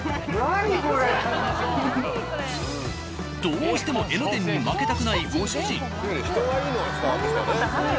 どうしても江ノ電に負けたくないご主人。